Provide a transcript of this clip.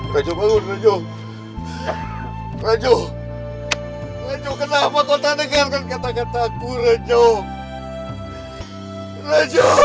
tidak ada waspada